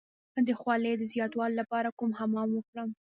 د خولې د زیاتوالي لپاره کوم حمام وکړم؟